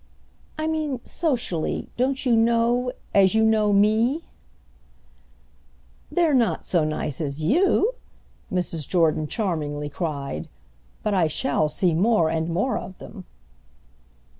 "I mean socially, don't you know?—as you know me." "They're not so nice as you!" Mrs. Jordan charmingly cried. "But I shall see more and more of them."